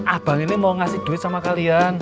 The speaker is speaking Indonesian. abang ini mau ngasih duit sama kalian